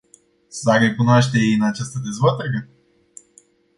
S-ar recunoaște ei în această dezbatere?